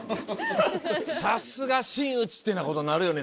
さすが真打っていうようなことになるよね